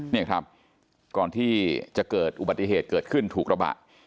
นี่ครับก่อนที่จะเกิดอุบัติเหตุเกิดขึ้นถูกกระบะ